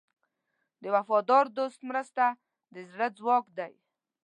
د وفادار دوست مرسته د زړه ځواک دی.